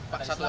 pak satu lagi